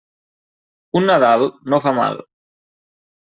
Un Nadal no fa mal.